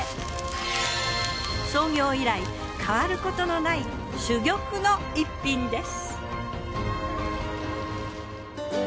創業以来変わることのない珠玉の逸品です。